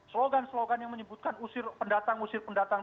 slogan slogan yang menyebutkan usir pendatang